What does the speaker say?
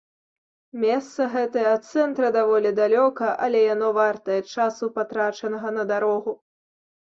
Месца гэтае ад цэнтра даволі далёка, але яно вартае часу, патрачанага на дарогу.